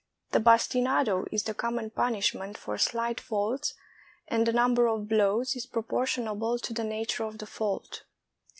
The bastinado is the common punishment for slight faults, and the num ber of blows is proportionable to the nature of the fault.